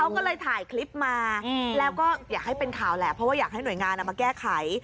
ก็เลยถ่ายคลิปมาแล้วก็อยากให้เป็นข่าวแหละเพราะว่าอยากให้หน่วยงานมาแก้ไข